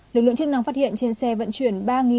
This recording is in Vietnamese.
lực lượng chức năng phát hiện trên xe vận chuyển